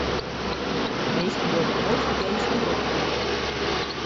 Minsken dogge noait fergees in berop op jo.